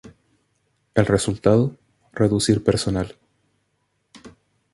El resultado: reducir personal.